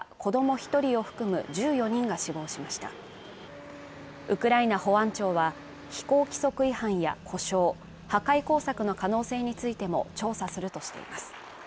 一人を含む１４人が死亡しましたウクライナ保安庁は飛行規則違反や故障破壊工作の可能性についても調査するとしています